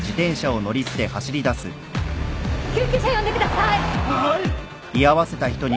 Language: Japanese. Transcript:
救急車呼んでください！ははい！